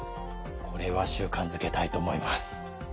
これは習慣づけたいと思います。